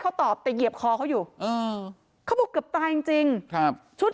เขาตอบแต่เหยียบคอเขาอยู่เขาบอกเกือบตายจริงชุด๐๕